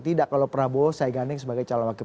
tidak kalau prabowo saiganding sebagai calon wakil